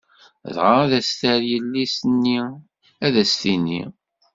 Dɣa ad as-terr yelli-s-nni, ad as-tini.